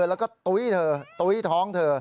แล้วก็ตุ้ยเธอตุ๊ยท้องเธอ